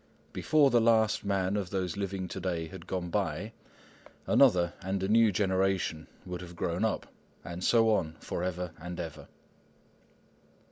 Before the last man of those living to day had gone by, another and a new generation would have grown up, and so on for ever and ever.